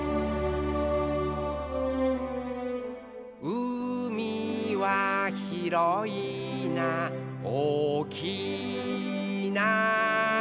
「うみはひろいなおおきいな」